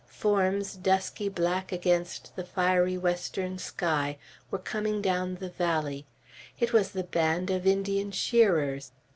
Forms, dusky black against the fiery western sky, were coming down the valley. It was the band of Indian shearers.